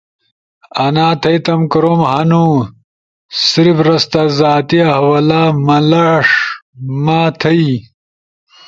انا تھئی تم کوروم ہنو، صرف رستا زاتی حوالہ ۔مہ لݜ ما تھئی